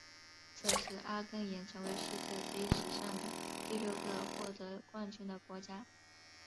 这是阿根廷成为世界杯史上的第六个获得冠军的国家。